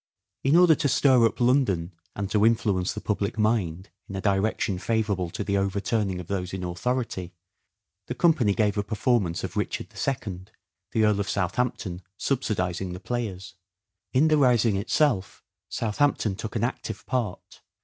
In order to stir up London and to influence the Helping the public mind in a direction favourable to the over ^Section, turning of those in authority, the company gave a performance of " Richard II," the Earl of Southamp ton subsidizing the players. In the rising itself Southampton took an active part.